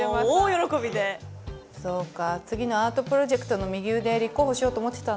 そうか。